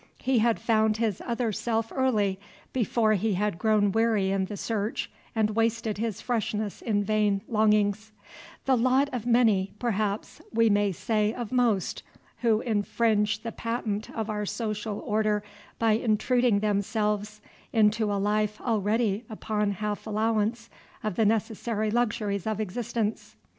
He had found his other self early, before he had grown weary in the search and wasted his freshness in vain longings: the lot of many, perhaps we may say of most, who infringe the patent of our social order by intruding themselves into a life already upon half allowance of the necessary luxuries of existence.